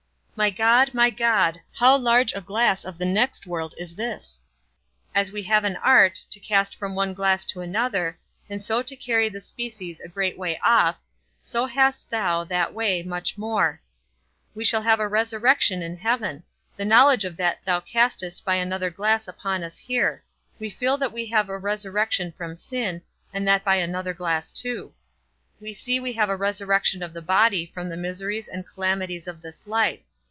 My God, my God, how large a glass of the next world is this! As we have an art, to cast from one glass to another, and so to carry the species a great way off, so hast thou, that way, much more; we shall have a resurrection in heaven; the knowledge of that thou castest by another glass upon us here; we feel that we have a resurrection from sin, and that by another glass too; we see we have a resurrection of the body from the miseries and calamities of this life.